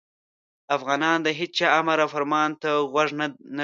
افغانان د هیچا امر او فرمان ته غوږ نه ږدي.